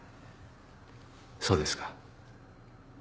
そうですか。